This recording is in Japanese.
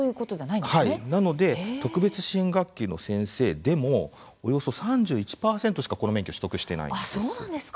なので特別支援学級の先生でもおよそ３１％しかこの免許、取得していないんです。